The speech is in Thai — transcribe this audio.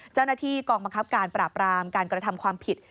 เจ้าหน้าที่กองบังคับการปราบรามการกระทำความผิด